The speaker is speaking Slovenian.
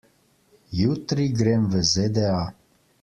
Jutri grem v ZDA.